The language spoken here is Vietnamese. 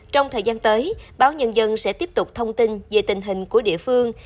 trong thời gian tới báo nhân dân sẽ tiếp tục thông tin về tình hình của địa phương